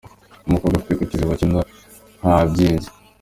Umukobwa ufite ku kiziba cy’inda habyimbye :.